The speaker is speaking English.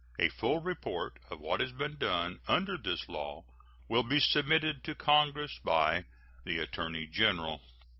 A full report of what has been done under this law will be submitted to Congress by the Attorney General.